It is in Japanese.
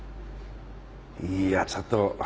いやちょっと。